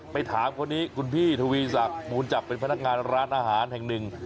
ไปถามคนนี้คุณพี่ทวีศักดิ์มูลจักรเป็นพนักงานร้านอาหารแห่งหนึ่ง